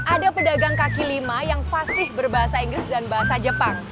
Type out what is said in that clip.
ada pedagang kaki lima yang fasih berbahasa inggris dan bahasa jepang